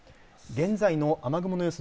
現在の雨雲の様子